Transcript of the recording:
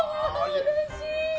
うれしい！